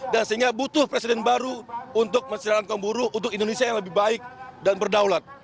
dan sehingga butuh presiden baru untuk menceritakan kaum buruh untuk indonesia yang lebih baik dan berdaulat